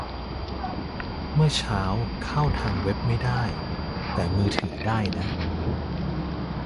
เมื่อเช้าเข้าทางเว็บไม่ได้ แต่มือถือได้นะ